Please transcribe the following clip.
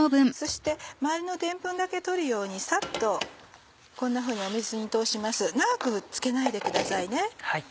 そして周りのでんぷんだけ取るようにサッとこんなふうに水に通します長くつけないでくださいね。